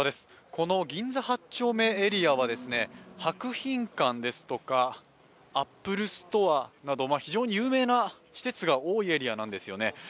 この銀座８丁目エリアは博品館ですとかアップルストアなど非常に有名な施設が多いエリアなんですよね。